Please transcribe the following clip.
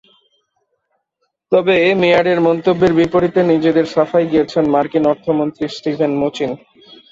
তবে মেয়ারের মন্তব্যের বিপরীতে নিজেদের সাফাই গেয়েছেন মার্কিন অর্থমন্ত্রী স্টিভেন মুচিন।